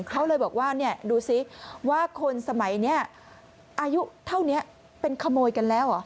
เขาเลยบอกว่าดูสิว่าคนสมัยนี้อายุเท่านี้เป็นขโมยกันแล้วเหรอ